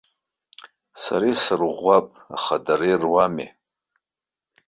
Сара исырӷәӷәап, аха дара ируамеи.